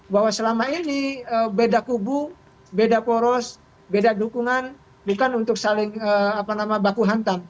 bahwa selama ini beda kubu beda poros beda dukungan bukan untuk saling baku hantam